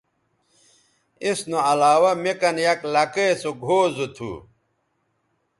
اس نو علاوہ می کن یک لکئے سوگھؤ زو تھو